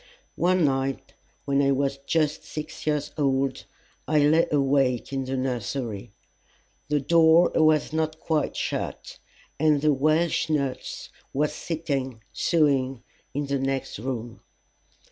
One night, when I was just six years old, I lay awake in the nursery. The door was not quite shut, and the Welsh nurse was sitting sewing in the next room.